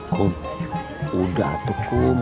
kum udah tuh kum